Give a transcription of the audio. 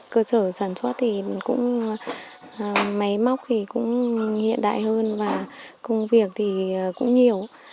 cơ sở sản xuất thì cũng máy móc thì cũng hiện đại hơn và công việc thì cũng nhiều